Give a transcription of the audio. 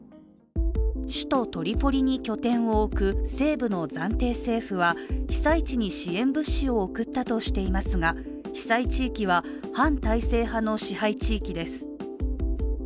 首都トリポリに拠点を置く西部の暫定政府は被災地に支援物資を送ったとしていますが被災地域は反体制派の支配地域です。